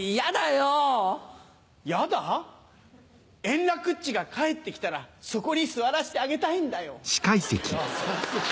円楽っちが帰って来たらそこに座らせてあげたいんだよ。